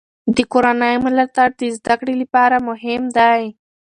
د کورنۍ ملاتړ د زده کړې لپاره مهم دی.